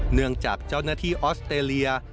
เนื่องจากเจ้าหน้าที่ออสเตรเลีย